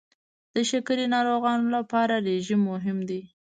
د شکرې ناروغانو لپاره رژیم مهم دی.